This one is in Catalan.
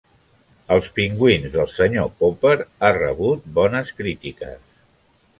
"Els pingüins del senyor Popper" ha rebut bones crítiques.